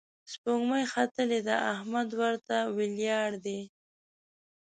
سپوږمۍ ختلې ده، احمد ورته ولياړ دی